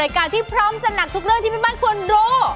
การที่พร้อมจัดหนักทุกเรื่องที่แม่บ้านควรรู้